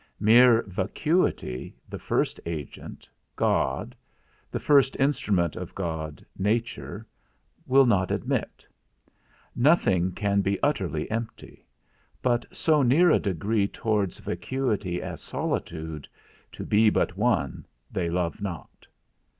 Mere vacuity, the first agent, God, the first instrument of God, nature, will not admit; nothing can be utterly empty, but so near a degree towards vacuity as solitude, to be but one, they love not.